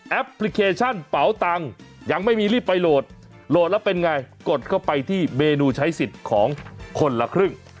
พลิเคชันเป๋าตังค์ยังไม่มีรีบไปโหลดโหลดแล้วเป็นไงกดเข้าไปที่เมนูใช้สิทธิ์ของคนละครึ่ง